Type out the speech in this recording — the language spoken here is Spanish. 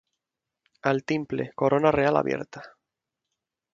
Al timple, Corona Real abierta.